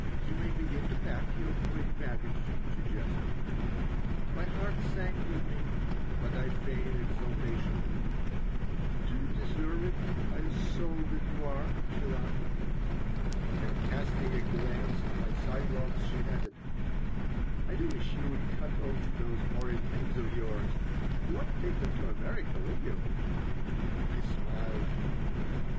You may begin to pack your great baggage," she jested My heart sank within me, but I feigned exultation "Do you deserve it, pious soul that you are?" she laughed. And casting a glance at my side locks, she added: "I do wish you would cut off those horrid things of yours. You won't take them to America, will you?" I smiled.